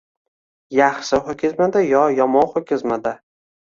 Yaxshi ho‘kizmidi yo yomon ho‘kizmidi